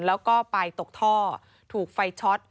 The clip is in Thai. แล้วก็ไปตกท่อถูกไฟช็อต